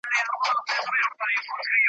د هوسیو د سویانو د پسونو `